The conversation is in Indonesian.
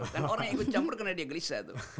kan orang yang ikut campur karena dia gelisah tuh